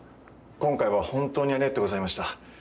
今回はホントにありがとうございました。